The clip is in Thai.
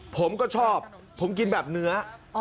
ผมก็ชอบผมกินแบบเนื้อ